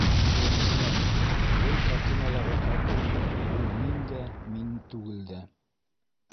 - Беренсенән, был картиналағы ҡатын ул мин дә, мин түгел дә.